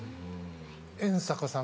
遠坂さん